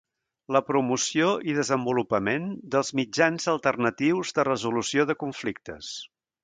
La promoció i desenvolupament dels mitjans alternatius de resolució de conflictes.